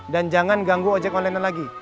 dan jangan ganggu ojek online nya lagi